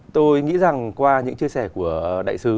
tôi nghĩ rằng qua những chia sẻ của đại sứ